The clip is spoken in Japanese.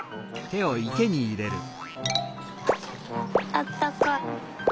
あったかい。